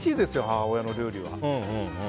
母親の料理は。